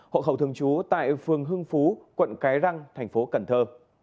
hộ khẩu thường trú tại phường hưng phú quận cái răng thành phố cần thơ